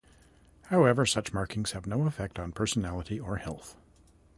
However, such markings have no effect on personality or health.